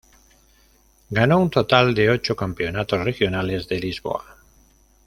Ganó un total de ocho Campeonatos Regionales de Lisboa.